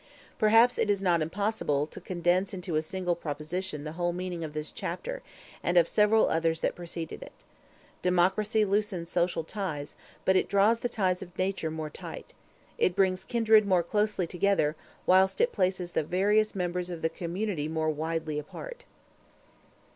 Perhaps it is not impossible to condense into a single proposition the whole meaning of this chapter, and of several others that preceded it. Democracy loosens social ties, but it draws the ties of nature more tight; it brings kindred more closely together, whilst it places the various members of the community more widely apart.